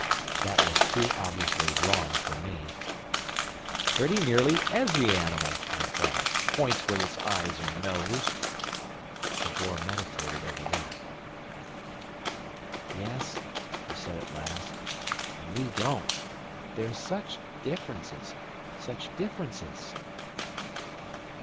That was too obviously wrong for me. "Pretty nearly every animal," I cried, "points with its eyes or nose." Cavor meditated over that. "Yes," he said at last, "and we don't. There's such differences—such differences!"